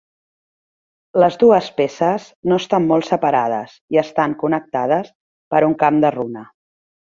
Les dues peces no estan molt separades i estan connectades per un camp de runa.